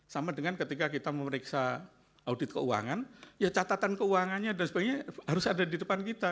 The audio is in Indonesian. sama dengan ketika kita memeriksa audit keuangan ya catatan keuangannya dan sebagainya harus ada di depan kita